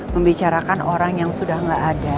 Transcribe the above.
membicarakan orang yang sudah nggak ada